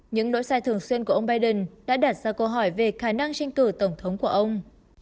những nỗi sai thường xuyên của ông biden đã đặt ra câu hỏi về khả năng tranh cử tổng thống của ông